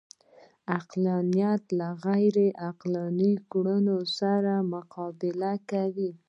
عقلانیت له غیرعقلاني کړنو سره مقابله کوي